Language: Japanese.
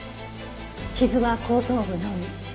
傷は後頭部のみ。